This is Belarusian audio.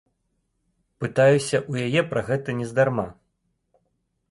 Пытаюся ў яе пра гэта нездарма.